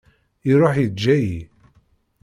Iruḥ yeǧǧa-i.